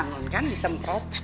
nah bangun kan disemprot